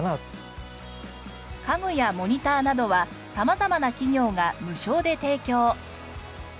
家具やモニターなどは様々な企業が無償で提供。